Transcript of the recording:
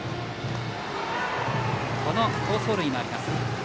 この好走塁もあります。